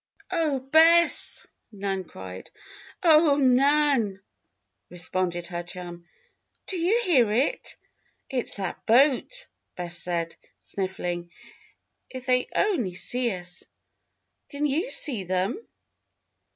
"Oh, Bess!" Nan cried. "Oh, Nan!" responded her chum. "Do you hear it?" "It's that boat," Bess said, sniffling. "If they only see us!" "Can you see them?"